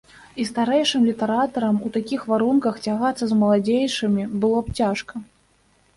І старэйшым літаратарам у такіх варунках цягацца з маладзейшымі было б цяжка.